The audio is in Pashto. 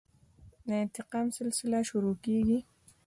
د انتقام سلسله شروع کېږي.